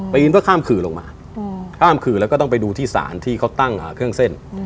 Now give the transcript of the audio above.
ปีนเพื่อข้ามขื่อลงมาข้ามขื่อแล้วก็ต้องไปดูที่ศาลที่เขาตั้งเครื่องเส้น